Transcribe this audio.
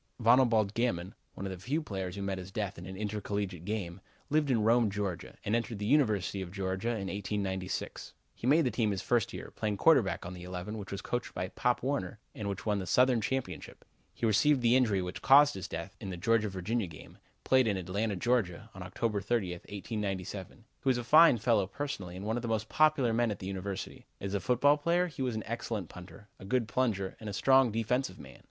Vonalbalde Gammon, one of the few players who met his death in an intercollegiate game, lived at Rome, Georgia, and entered the University of Georgia in 1896. He made the team his first year, playing quarterback on the eleven which was coached by Pop Warner and which won the Southern championship. He received the injury which caused his death in the Georgia Virginia game, played in Atlanta, Georgia, on October 30th, 1897. He was a fine fellow personally and one of the most popular men at the University. As a football player, he was an excellent punter, a good plunger, and a strong defensive man.